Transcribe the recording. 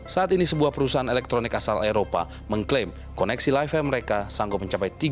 saat ini sebuah perusahaan elektronik asal eropa mengklaim koneksi li fi mereka sanggup mencapai tiga puluh mb per detik